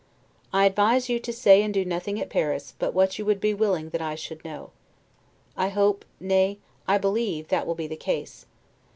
I advise you to say and do nothing at Paris, but what you would be willing that I should know. I hope, nay, I believe, that will be the case.